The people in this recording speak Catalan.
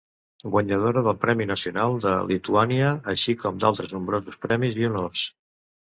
Guanyadora del Premi Nacional de Lituània, així com d'altres nombrosos premis i honors.